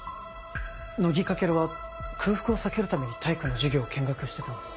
乃木翔は空腹を避けるために体育の授業を見学してたんです。